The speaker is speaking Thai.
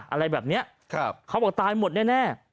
อะไรแบบนี้เขาบอกตายหมดแน่